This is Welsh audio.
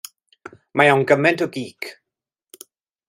Mae o'n gymaint o gîc.